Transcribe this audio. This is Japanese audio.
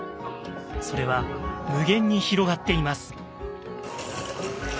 それは無限に広がっています。